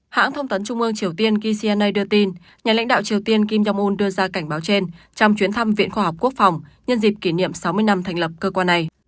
hãng thông tấn trung ương triều tiên kcna đưa tin nhà lãnh đạo triều tiên kim jong un đưa ra cảnh báo trên trong chuyến thăm viện khoa học quốc phòng nhân dịp kỷ niệm sáu mươi năm thành lập cơ quan này